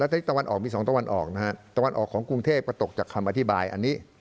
ทิศตะวันออกมีสองตะวันออกนะฮะตะวันออกของกรุงเทพก็ตกจากคำอธิบายอันนี้